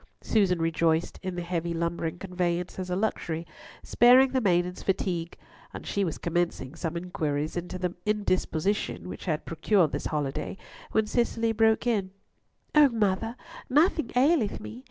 Susan rejoiced in the heavy lumbering conveyance as a luxury, sparing the maiden's fatigue, and she was commencing some inquiries into the indisposition which had procured this holiday, when Cicely broke in, "O mother, nothing aileth me.